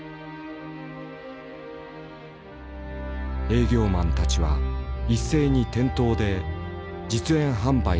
営業マンたちは一斉に店頭で実演販売に入った。